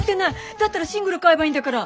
だったらシングル買えばいいんだから。